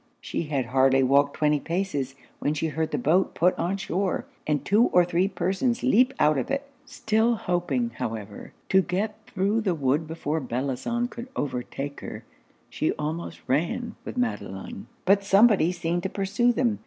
She had hardly walked twenty paces, when she heard the boat put on shore, and two or three persons leap out of it. Still hoping, however, to get thro' the wood before Bellozane could overtake her, she almost ran with Madelon. But somebody seemed to pursue them.